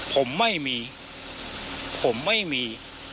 ผมไม่มีผมไม่มี